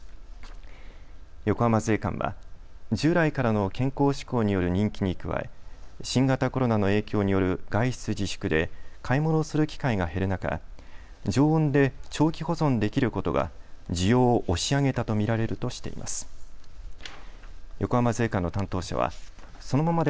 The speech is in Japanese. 横浜税関は、従来からの健康志向による人気に加え新型コロナの影響による外出自粛で買い物する機会が減る中、常温で長期保存できることが需要を押し上げたと見られるとしています。